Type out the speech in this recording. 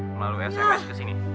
melalui sms kesini